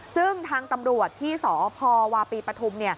ซึ่งทางตำรวจที่สพวาปีปฐุม